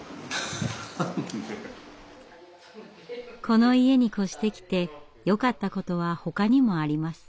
この家に越してきてよかったことはほかにもあります。